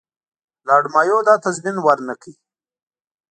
لارډ مایو دا تضمین ورنه کړ.